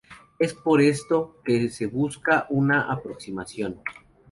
Es por esto que se busca una aproximación.